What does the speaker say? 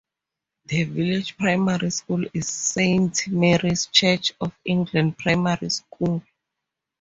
The village primary school is Saint Mary's Church of England Primary School.